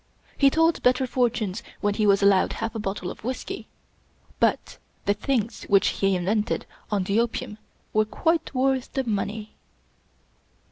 He told better fortunes when he was allowed half a bottle of whisky; but the things which he invented on the opium were quite worth the money.